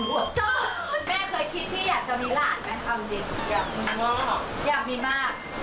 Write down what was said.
โขพักมาจริงเหรอ